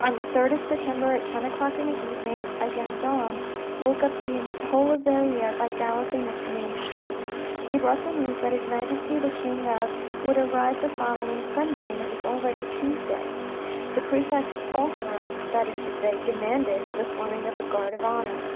On the 3rd of September at ten o'clock in the evening, a gendarme woke up the whole of Verrieres by galloping up the main street. He brought the news that His Majesty the King of would arrive the following Sunday, and it was already Tuesday. The prefect authorised, that is to say, demanded the forming of a guard of honour.